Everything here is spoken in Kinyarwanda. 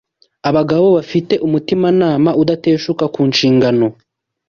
abagabo bafite umutimanama udateshuka ku nshingano